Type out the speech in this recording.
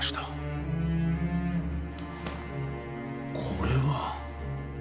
これは。